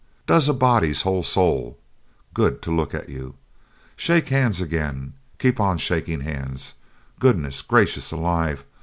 Does a body's whole soul good to look at you! Shake hands again! Keep on shaking hands! Goodness gracious alive.